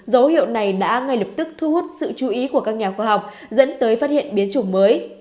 dấu hiệu này đã ngay lập tức thu hút sự chú ý của các nhà khoa học dẫn tới phát hiện biến chủng mới